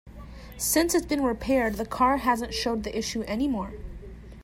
Since it's been repaired, the car hasn't shown the issue any more.